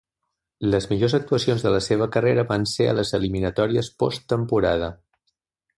Les millors actuacions de la seva carrera van ser a les eliminatòries post-temporada.